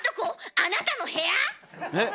あなたの部屋⁉え？